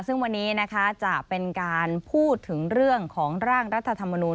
ซึ่งวันนี้นะคะจะเป็นการพูดถึงเรื่องของร่างรัฐธรรมนูล